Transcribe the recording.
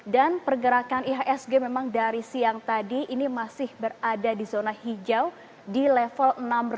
dan pergerakan ihsg memang dari siang tadi ini masih berada di zona hijau di level enam